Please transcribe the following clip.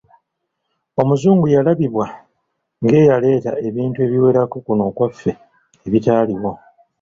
Omuzungu yalabibwa ng’eyaleeta ebintu ebiwerako kuno okwaffe ebitaaliwo.